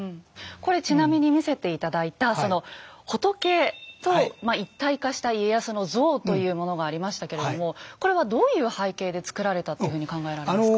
これちなみに見せて頂いた仏と一体化した家康の像というものがありましたけれどもこれはどういう背景で造られたというふうに考えられますか？